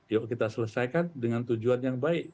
yuk kita selesaikan dengan tujuan yang baik